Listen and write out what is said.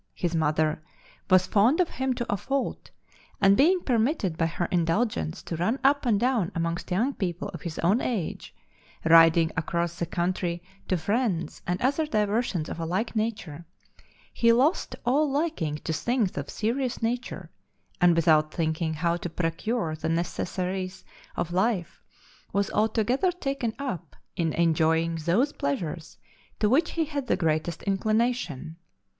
His mother, was fond of him to a fault, and being permitted by her indulgence to run up and down amongst young people of his own age, riding across the country to friends and other diversions of a like nature, he lost all liking to things of a serious nature, and without thinking how to procure the necessaries of life, was altogether taken up in enjoying those pleasures to which he had the greatest inclination.